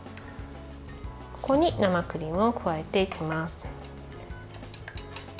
ここに生クリームを加えていきます。